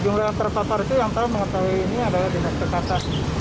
jumlah yang terpapar itu yang paling mengetahui ini adalah di naskah kata